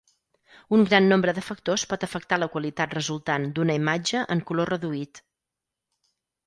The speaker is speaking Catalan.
Un gran nombre de factors pot afectar la qualitat resultant d'una imatge en color reduït.